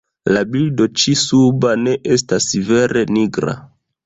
La bildo ĉi suba ne estas vere nigra.